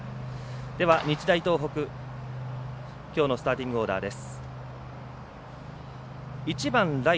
では、日大東北、きょうのスターティングオーダーです。